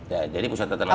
ya jadi pusat data nasional